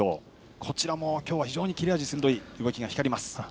こちらも非常に切れ味鋭い動きが光ります。